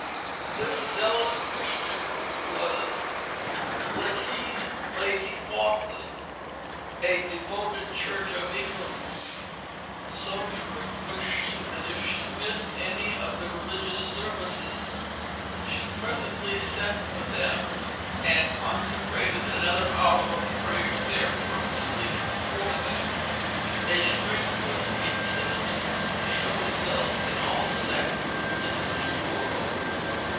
This zealous Christian was Letice, Lady Falkland, a devoted Church of England woman; so strict was she that if she missed any from the religious services, she "presently sent for them and consecrated another howr of praier there purposely for them." A strenuous insistence showed itself in all sects in the new world.